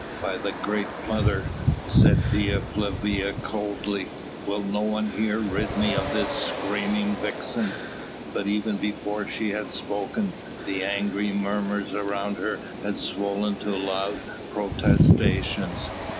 "By the great Mother," said Dea Flavia coldly, "will no one here rid me of this screaming vixen?" But even before she had spoken, the angry murmurs around had swollen to loud protestations.